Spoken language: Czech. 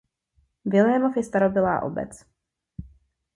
Vilémov je starobylá obec.